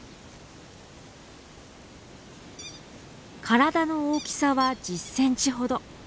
体の大きさは１０センチほど。